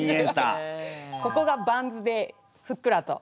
ここがバンズでふっくらと。